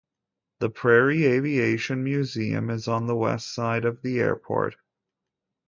The Prairie Aviation Museum is on the west side of the airport.